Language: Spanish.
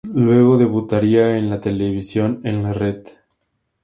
Luego debutaría en la televisión en La Red.